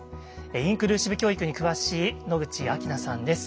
インクルーシブ教育に詳しい野口晃菜さんです。